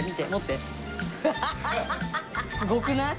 すごくない？